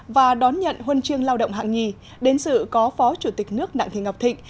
và đón nhận huân chương lao động hạng nhì đến sự có phó chủ tịch nước đặng thị ngọc thịnh